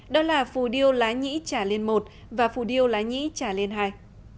đó là phù điêu lái nhĩ trà liên i và phù điêu lái nhĩ trà liên ii